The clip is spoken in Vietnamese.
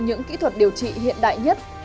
những kỹ thuật điều trị hiện đại nhất